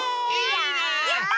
やった！